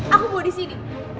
aku mau di sini